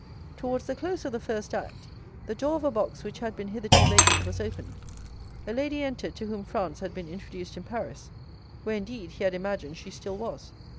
Towards the close of the first act, the door of a box which had been hitherto vacant was opened; a lady entered to whom Franz had been introduced in Paris, where indeed, he had imagined she still was.